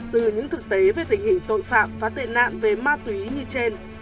từ những thực tế về tình hình tội phạm và tệ nạn về ma túy như trên